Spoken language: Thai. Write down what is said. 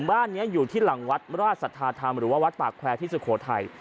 บ้านนี้อยู่ที่หลังวัดราชสัทธาธรรมหรือว่าวัดปากแควร์ที่สุโขทัย